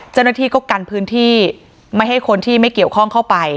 เจ้าหน้าที่ก็กันพื้นที่ไม่ให้คนที่ไม่เกี่ยวข้องเข้าไป